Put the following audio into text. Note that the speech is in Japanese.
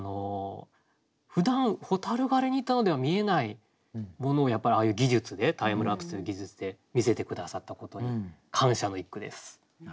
ふだん蛍狩りに行ったのでは見えないものをやっぱりああいう技術でタイムラプスの技術で見せて下さったことに感謝の一句です。